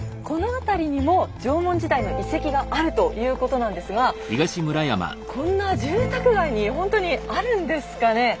この辺りにも縄文時代の遺跡があるということなんですがこんな住宅街にほんとにあるんですかね？